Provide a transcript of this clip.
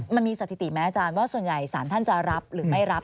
มันมีสถิติไหมอาจารย์ว่าส่วนใหญ่สารท่านจะรับหรือไม่รับ